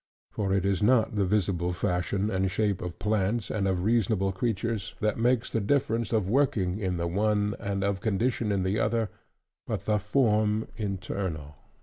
For it is not the visible fashion and shape of plants, and of reasonable creatures, that makes the difference of working in the one, and of condition in the other; but the form internal.